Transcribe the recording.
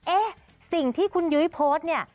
เอ๊ะสิ่งที่คุณยุ้ยโพสต์เนี่ย